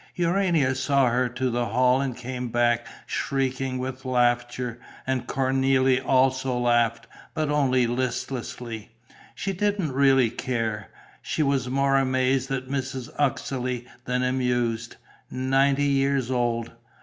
Urania saw her to the hall and came back shrieking with laughter; and Cornélie also laughed, but only listlessly. She really didn't care: she was more amazed at Mrs. Uxeley than amused. Ninety years old!